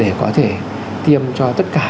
để có thể tiêm cho tất cả